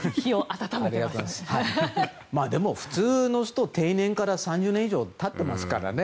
でも普通の人は定年から３０年以上経ってますからね。